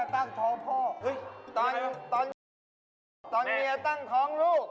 ตอนเมียตั้งท้องลูก